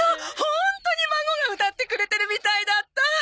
ホントに孫が歌ってくれてるみたいだったわ。